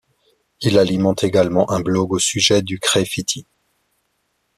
Il alimente également un blog au sujet du CraieFiti.